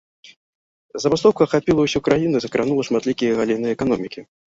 Забастоўка ахапіла ўсю краіну і закранула шматлікія галіны эканомікі.